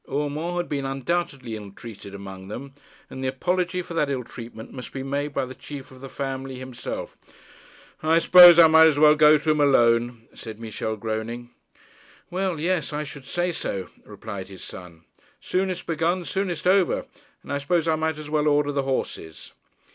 Urmand had been undoubtedly ill treated among them, and the apology for that ill treatment must be made by the chief of the family himself. 'I suppose I might as well go to him alone,' said Michel, groaning. 'Well, yes; I should say so,' replied his son. 'Soonest begun, soonest over; and I suppose I might as well order the horses.'